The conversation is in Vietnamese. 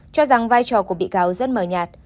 cho rằng vai trò của bị cáo rất mờ nhạt